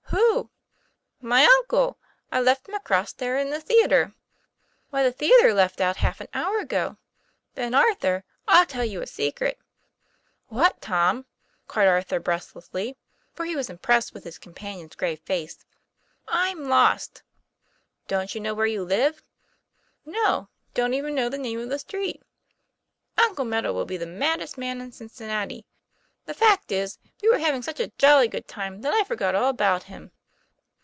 " "Who!" * My uncle. I left him across there in the theatre. " 1 Why, the theatre let out half an hour ago." 'Then, Arthur, I'll tell you a secret." 'What, Tom?' cried Arthur breathlessly, for he was impressed with his companion's grave face. "I'm lost" TOM PLA YFAIR. 141 " Don't you know where you live ?' 'No; don't even know the name of the street. Uncle Meadow will be the maddest man in Cincin nati. The fact is, we were having such a jolly good time that I forgot all about him."